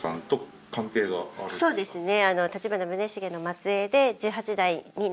そうですね。